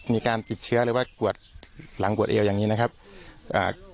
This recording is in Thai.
มีการติดเชื้อหรือว่ากวดหลังกวดเอวอย่างงี้นะครับอ่า